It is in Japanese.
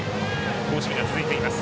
好守備が続いています。